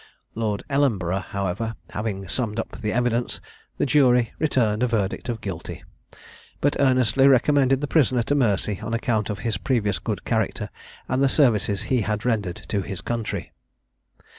Lord Ellenborough, however, having summed up the evidence, the jury returned a verdict of Guilty, but earnestly recommended the prisoner to mercy, on account of his previous good character, and the services he had rendered to his country.